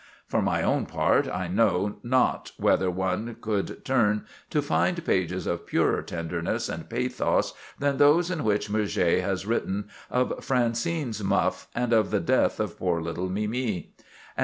For my own part, I know not whither one could turn to find pages of purer tenderness and pathos than those in which Murger has written of Francine's muff and of the death of poor little Mimi.